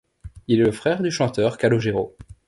Il est le frère du chanteur Calogero.